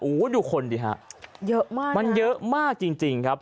โอ้โหดูคนดิฮะเยอะมากมันเยอะมากจริงจริงครับ